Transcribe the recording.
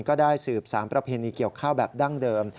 ก็ได้สืบสารประเพณีเกี่ยวข้าวแบบดั้งเดิม